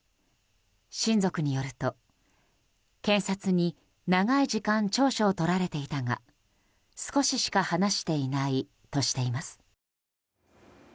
親族によると、検察に長い間調書を取られていたが少ししか話していないとしています。